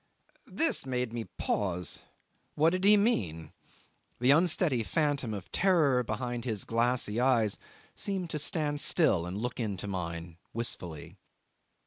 'This made me pause. What did he mean? The unsteady phantom of terror behind his glassy eyes seemed to stand still and look into mine wistfully.